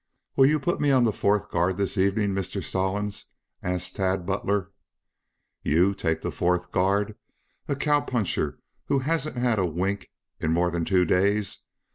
"Will you put me on the fourth guard this evening, Mr. Stallings?" asked Tad Butler. "You take the fourth guard? A cowpuncher who hasn't had a wink in more than two days?